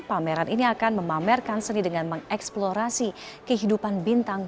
pameran ini akan memamerkan seni dengan mengeksplorasi kehidupan bintang